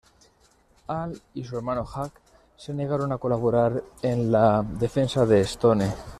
Al y su hermano Jack se negaron a colaborar en la defensa de Stone.